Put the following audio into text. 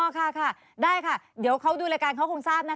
ค่ะค่ะได้ค่ะเดี๋ยวเขาดูรายการเขาคงทราบนะคะ